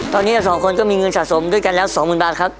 ตอนนี้๒คนก็มีเงินสะสมด้วยกันแล้ว๒๐๐๐บาทครับ